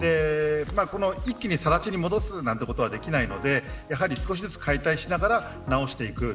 一気に更地に戻すなんてことはできないので少しずつ解体しながら直していく。